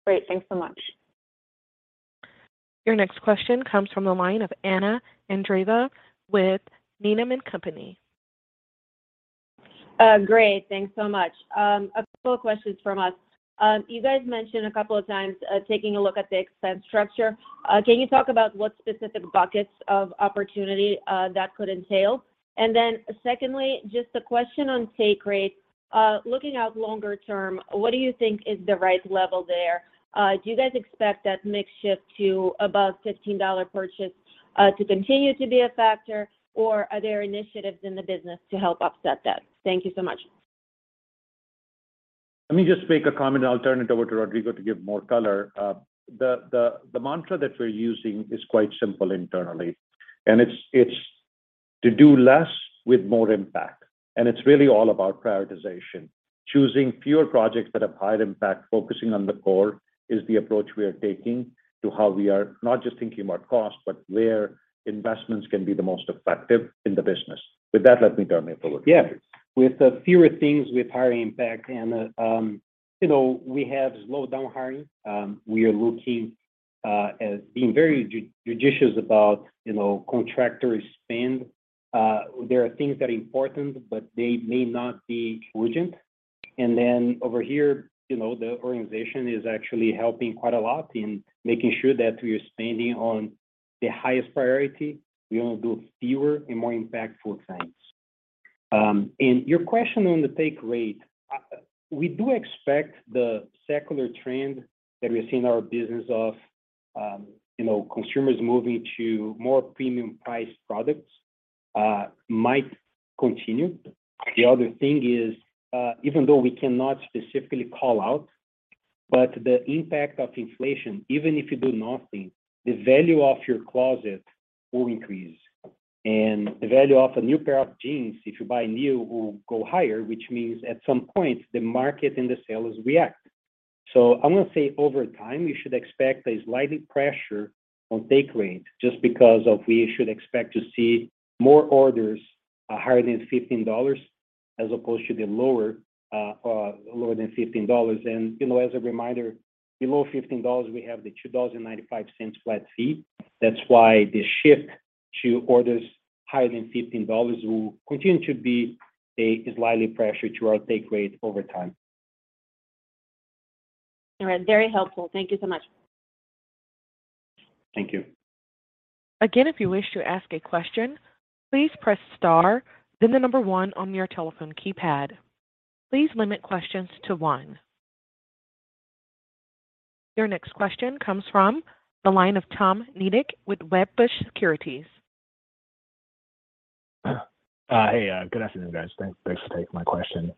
Speaker 11: Great. Thanks so much.
Speaker 1: Your next question comes from the line of Anna Andreeva with Needham & Company.
Speaker 12: Great. Thanks so much. A couple of questions from us. You guys mentioned a couple of times taking a look at the expense structure. Can you talk about what specific buckets of opportunity that could entail? Secondly, just a question on take rate. Looking out longer term, what do you think is the right level there? Do you guys expect that mix shift to above $15 purchase to continue to be a factor or are there initiatives in the business to help offset that? Thank you so much.
Speaker 3: Let me just make a comment, and I'll turn it over to Rodrigo to give more color. The mantra that we're using is quite simple internally, and it's to do less with more impact, and it's really all about prioritization. Choosing fewer projects that have high impact, focusing on the core is the approach we are taking to how we are not just thinking about cost, but where investments can be the most effective in the business. With that, let me turn it over to Rodrigo.
Speaker 4: Yeah. With the fewer things with higher impact. We have slowed down hiring. We are looking at being very judicious about contractor spend. There are things that are important, but they may not be urgent. Then over here, the organization is actually helping quite a lot in making sure that we are spending on the highest priority. We wanna do fewer and more impactful things. Your question on the take rate, we do expect the secular trend that we've seen in our business of consumers moving to more premium priced products might continue. The other thing is, even though we cannot specifically call out, but the impact of inflation, even if you do nothing, the value of your closet will increase. The value of a new pair of jeans, if you buy new, will go higher, which means at some point the market and the sellers react. I'm gonna say over time, you should expect slight pressure on take rate just because we should expect to see more orders higher than $15 as opposed to the lower lower than $15. You know, as a reminder, below $15 we have the $2.95 flat fee. That's why the shift to orders higher than $15 will continue to be slight pressure to our take rate over time.
Speaker 12: All right. Very helpful. Thank you so much.
Speaker 4: Thank you.
Speaker 1: Again, if you wish to ask a question, please press star, then the number one on your telephone keypad. Please limit questions to one. Your next question comes from the line of Tom Nikic with Wedbush Securities.
Speaker 13: Hey, good afternoon, guys. Thanks for taking my question.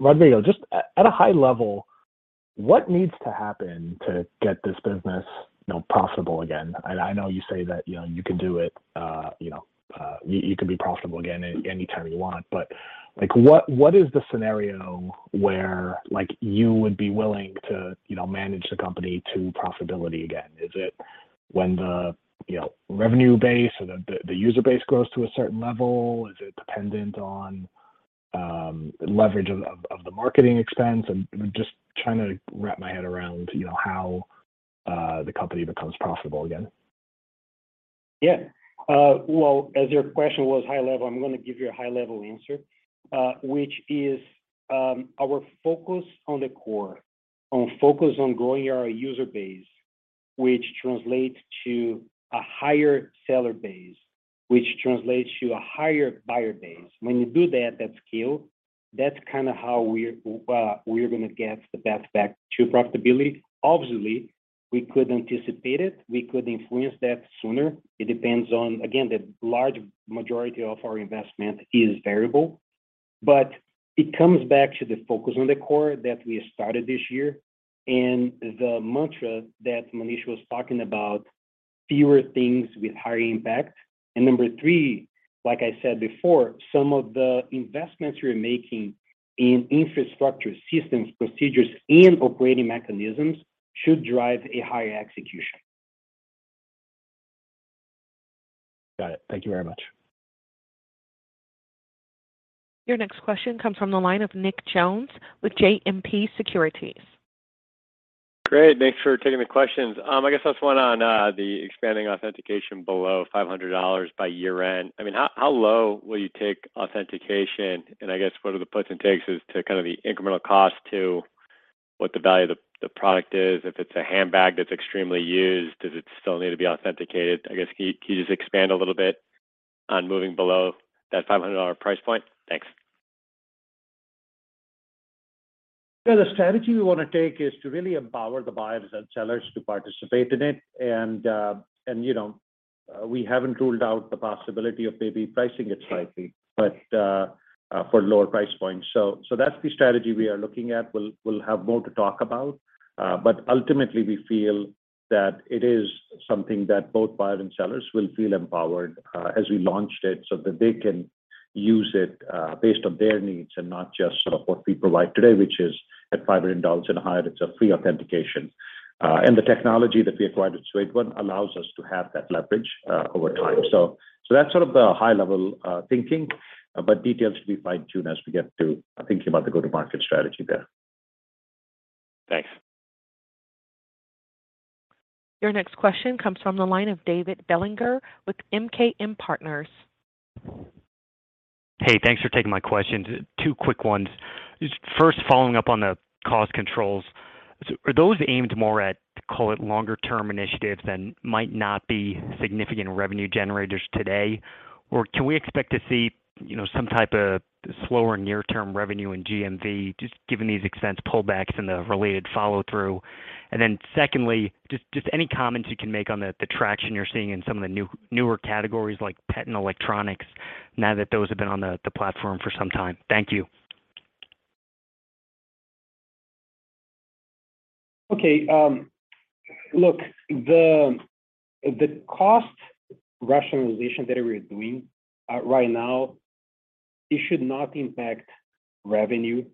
Speaker 13: Rodrigo, just at a high level, what needs to happen to get this business, you know, profitable again? I know you say that, you know, you can do it, you know, you can be profitable again any time you want, but, like, what is the scenario where, like, you would be willing to, you know, manage the company to profitability again? Is it when the, you know, revenue base or the user base grows to a certain level? Is it dependent on leverage of the marketing expense? I'm just trying to wrap my head around, you know, how the company becomes profitable again.
Speaker 4: Yeah. Well, as your question was high level, I'm gonna give you a high level answer, which is our focus on the core, our focus on growing our user base, which translates to a higher seller base, which translates to a higher buyer base. When you do that scale, that's kinda how we're gonna get the path back to profitability. Obviously, we could anticipate it, we could influence that sooner. It depends on, again, the large majority of our investment is variable, but it comes back to the focus on the core that we started this year and the mantra that Manish was talking about, fewer things with higher impact. Number three, like I said before, some of the investments we're making in infrastructure systems, procedures, and operating mechanisms should drive a higher execution.
Speaker 13: Got it. Thank you very much.
Speaker 1: Your next question comes from the line of Nick Jones with JMP Securities.
Speaker 14: Great. Thanks for taking the questions. I guess just one on the expanding authentication below $500 by year-end. I mean, how low will you take authentication? And I guess what are the puts and takes as to kind of the incremental cost to What the value of the product is. If it's a handbag that's extremely used, does it still need to be authenticated? I guess, can you just expand a little bit on moving below that $500 price point? Thanks.
Speaker 3: Yeah, the strategy we wanna take is to really empower the buyers and sellers to participate in it. you know, we haven't ruled out the possibility of maybe pricing it slightly, but for lower price points. That's the strategy we are looking at. We'll have more to talk about. Ultimately, we feel that it is something that both buyers and sellers will feel empowered as we launched it, so that they can use it based on their needs and not just sort of what we provide today, which is at $500 and higher, it's a free authentication. The technology that we acquired with Suede One allows us to have that leverage over time. That's sort of the high-level thinking, but details to be fine-tuned as we get to thinking about the go-to-market strategy there.
Speaker 14: Thanks.
Speaker 1: Your next question comes from the line of David Bellinger with MKM Partners.
Speaker 15: Hey, thanks for taking my questions. Two quick ones. Just first following up on the cost controls. Are those aimed more at, call it, longer term initiatives than might not be significant revenue generators today? Can we expect to see, you know, some type of slower near-term revenue in GMV just given these expense pullbacks and the related follow-through? Then secondly, just any comments you can make on the traction you're seeing in some of the newer categories like pet and electronics now that those have been on the platform for some time. Thank you.
Speaker 4: Okay. Look, the cost rationalization that we're doing right now, it should not impact revenue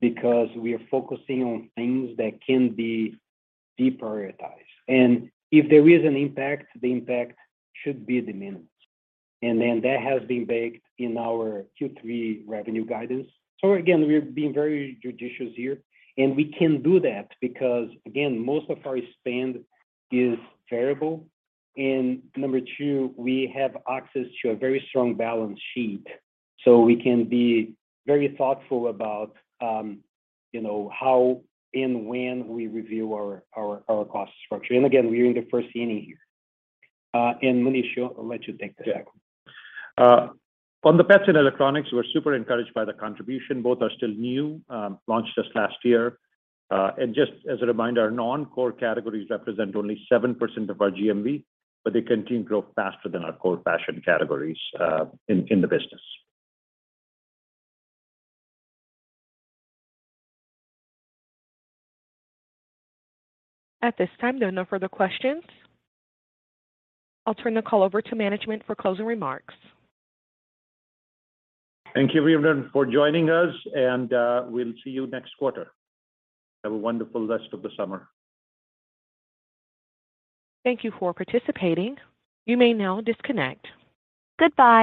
Speaker 4: because we are focusing on things that can be deprioritized. If there is an impact, the impact should be de minimis. Then that has been baked in our Q3 revenue guidance. Again, we're being very judicious here, and we can do that because, again, most of our spend is variable. Number two, we have access to a very strong balance sheet, so we can be very thoughtful about, you know, how and when we review our cost structure. Again, we are in the first inning here. Manish, I'll let you take the second one.
Speaker 3: Yeah, on the pets and electronics, we're super encouraged by the contribution. Both are still new, launched just last year. Just as a reminder, our non-core categories represent only 7% of our GMV, but they continue to grow faster than our core fashion categories in the business.
Speaker 1: At this time, there are no further questions. I'll turn the call over to management for closing remarks.
Speaker 3: Thank you everyone for joining us, and we'll see you next quarter. Have a wonderful rest of the summer.
Speaker 1: Thank you for participating. You may now disconnect. Goodbye.